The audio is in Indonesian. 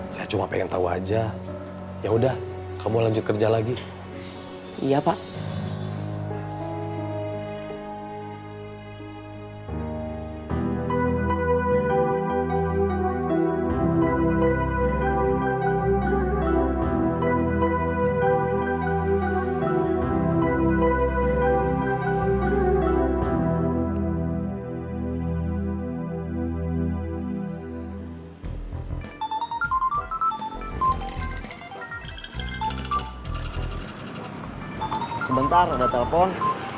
sebentar ada telepon